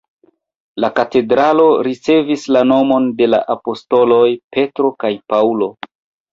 La katedralo ricevis la nomon de la apostoloj Petro kaj Paŭlo.